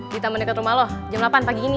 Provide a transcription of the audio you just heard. di taman deket rumah lo jam delapan pagi ini